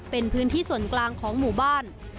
เป็นพื้นที่ส่วนกลางของหมู่บ้าน